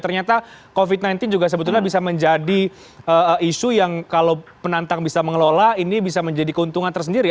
ternyata covid sembilan belas juga sebetulnya bisa menjadi isu yang kalau penantang bisa mengelola ini bisa menjadi keuntungan tersendiri